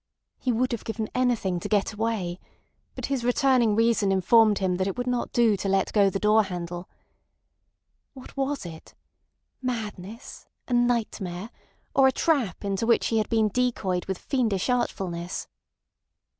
He would have given anything to get away, but his returning reason informed him that it would not do to let go the door handle. What was it—madness, a nightmare, or a trap into which he had been decoyed with fiendish artfulness?